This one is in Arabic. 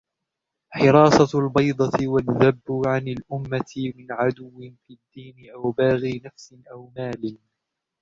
حِرَاسَةُ الْبَيْضَةِ وَالذَّبُّ عَنْ الْأُمَّةِ مِنْ عَدُوٍّ فِي الدِّينِ أَوْ بَاغِي نَفْسٍ أَوْ مَالٍ